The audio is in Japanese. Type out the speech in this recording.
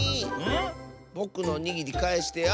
ぼくのおにぎりかえしてよ！